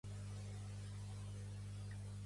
Posa la cançó "Tornaré a ser lliure" que m'agrada molt